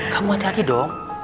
kamu hati hati dong